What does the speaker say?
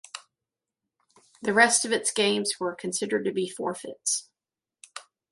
The rest of its games were considered to be forfeits.